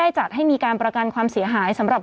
ผู้ต้องหาที่ขับขี่รถจากอายานยนต์บิ๊กไบท์